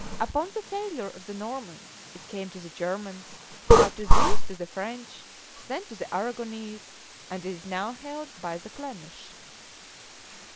Upon the failure of the Normans, it came to the Germans, after these to the French, then to the Aragonese, and it is now held by the Flemish.